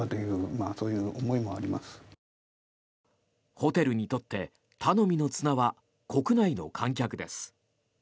ホテルにとって頼みの綱は国内の観客です。